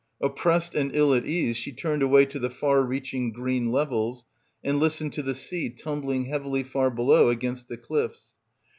Oppressed and ill at ease she turned away to the far reaching green levels and listened to the sea tumbling heavily far below against the cliffs.